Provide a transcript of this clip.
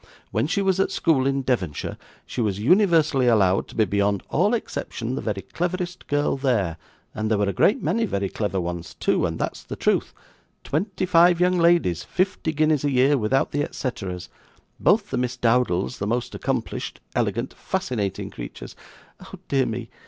'When she was at school in Devonshire, she was universally allowed to be beyond all exception the very cleverest girl there, and there were a great many very clever ones too, and that's the truth twenty five young ladies, fifty guineas a year without the et ceteras, both the Miss Dowdles the most accomplished, elegant, fascinating creatures Oh dear me!